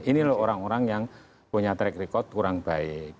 ini loh orang orang yang punya track record kurang baik